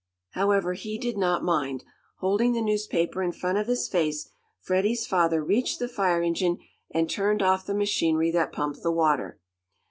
However he did not mind. Holding the newspaper in front of his face, Freddie's father reached the fire engine, and turned off the machinery that pumped the water.